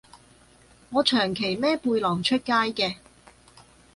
我長期孭背囊出街嘅